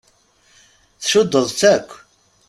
Tcuddeḍ-tt akk!